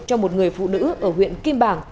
cho một người phụ nữ ở huyện kim bảng